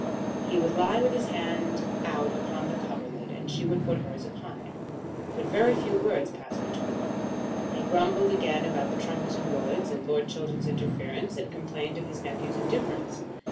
He would lie with his hand out upon the coverlid, and she would put hers upon it; but very few words passed between them. He grumbled again about the Trumpeton Woods, and Lord Chiltern's interference, and complained of his nephew's indifference.